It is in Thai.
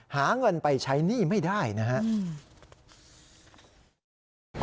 หาเงินไปใช้หนี้ไม่ได้นะครับ